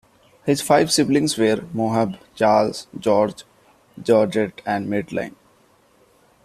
His five siblings were Moheb, Charles, George, Georgette and Madeline.